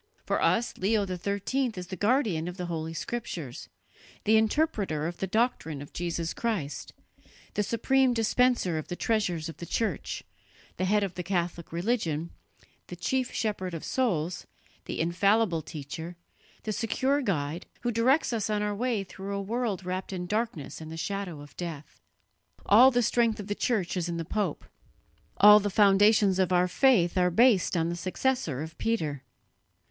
For us Leo XIII is the guardian of the Holy Scriptures, the interpreter of the doctrine of Jesus Christ, the supreme dispenser of the treasures of the Church, the head of the Catholic religion, the chief shepherd of souls, the infallible teacher, the secure guide, who directs us on our way through a world wrapped in darkness and the shadow of death. All the strength of the Church is in the pope; all the foundations of our faith are based on the successor of Peter.